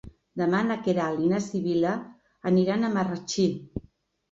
Demà na Queralt i na Sibil·la aniran a Marratxí.